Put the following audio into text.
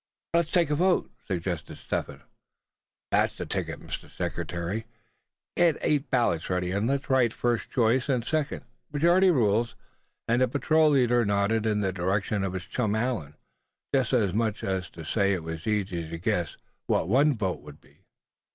"Let's take a vote!" suggested Step Hen. "That's the ticket, Mr. Secretary, get eight ballots ready, and let's write first choice and second, majority rules," and the patrol leader nodded in the direction of his chum Allan, just as much as to say it was easy to guess what one vote would be.